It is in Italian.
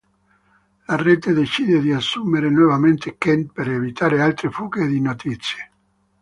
La rete decide di assumere nuovamente Kent per evitare altre fughe di notizie.